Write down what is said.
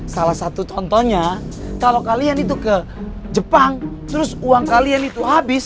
salah satu contohnya kalau kalian itu ke jepang terus uang kalian itu habis